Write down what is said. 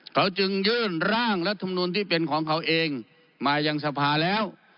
เขาจึงยื่นร่างรัฐมนุนที่เป็นของเขาเองมายังสภาแล้ว